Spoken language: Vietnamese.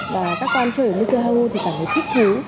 và các con chơi ở mr ho thì cảm thấy thích thú